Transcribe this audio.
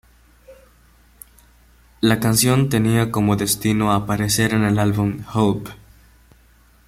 La canción tenía como destino aparecer en el álbum "Help!